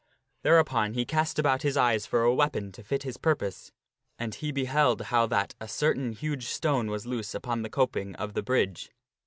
Thereupon he cast about his eyes for a weapon to fit his purpose, and he beheld how that a certain huge stone was loose upon the coping of the bridge.